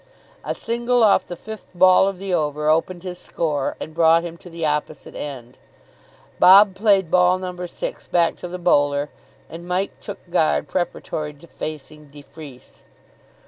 A single off the fifth ball of the over opened his score and brought him to the opposite end. Bob played ball number six back to the bowler, and Mike took guard preparatory to facing de Freece.